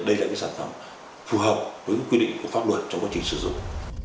đây là sản phẩm phù hợp với quy định của pháp luật trong quá trình sử dụng